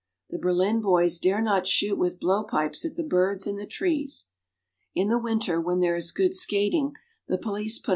The Berlin boys dare not shoot with blowpipes at the birds in the trees. In the winter when there is good skating, the police put.